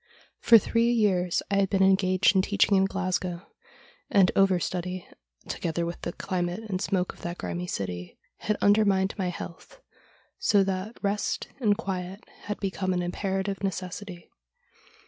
For three years I had been engaged in teaching in Glasgow, and over study, together with the climate and smoke of that grimy city, had undermined my health, so that rest and quiet had become an imperative necessity.